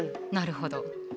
なるほど。